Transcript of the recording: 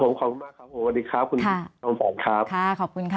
ผมขอบคุณมากครับผมสวัสดีครับคุณจอมฝันครับค่ะขอบคุณค่ะ